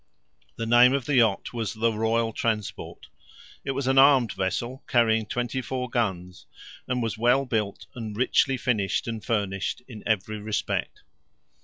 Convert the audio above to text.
The name of the yacht was the Royal Transport. It was an armed vessel, carrying twenty four guns, and was well built, and richly finished and furnished in every respect.